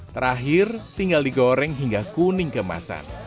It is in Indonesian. terakhir tinggal digoreng hingga kuning kemasan